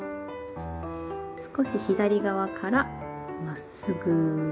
少し左側からまっすぐピタッ。